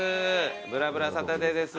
『ぶらぶらサタデー』です。